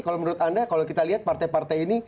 kalau menurut anda kalau kita lihat partai partai ini